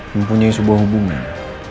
mempunyai sebuah hubungan